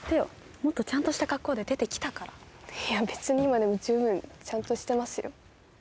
もっとちゃんとした格好で出てきたからいや別に今でも十分ちゃんとしてますよ